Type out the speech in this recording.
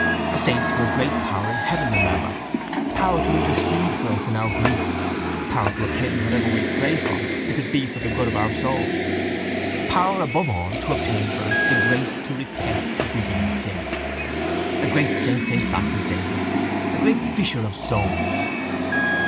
_ A saint who has great power in heaven, remember: power to intercede for us in our grief; power to obtain whatever we pray for if it be for the good of our souls; power above all to obtain for us the grace to repent if we be in sin. A great saint, saint Francis Xavier! A great fisher of souls!